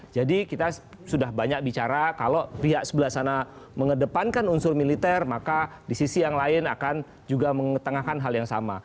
jadi kita sudah banyak bicara kalau pihak sebelah sana mengedepankan unsur militer maka di sisi yang lain akan juga mengetengahkan hal yang sama